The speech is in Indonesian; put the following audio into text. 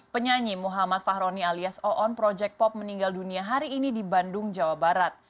penyanyi muhammad fahroni alias oon project pop meninggal dunia hari ini di bandung jawa barat